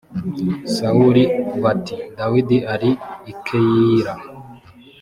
sawuli bati dawidi ari i keyila